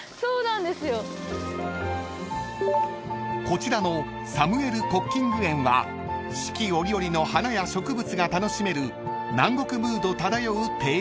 ［こちらのサムエル・コッキング苑は四季折々の花や植物が楽しめる南国ムード漂う庭園］